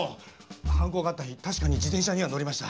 犯行があった日たしかに自転車には乗りました。